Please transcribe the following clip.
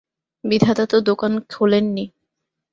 বিধাতা তো দোকান খোলেন নি।